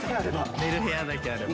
寝る部屋だけあれば。